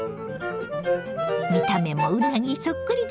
見た目もうなぎそっくりでしょ。